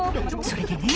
それでね。